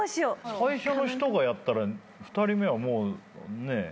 最初の人がやったら２人目はもうね。